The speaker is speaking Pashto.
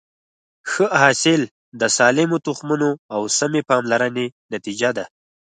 ښه حاصل د سالمو تخمونو او سمې پاملرنې نتیجه ده.